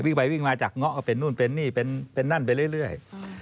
วิ่งไปวิ่งมาจากเงาะก็เป็นนู่นเป็นนี่เป็นนั่นไปเรื่อย